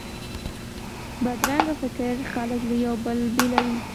بدرنګه فکر خلک له یو بل بیلوي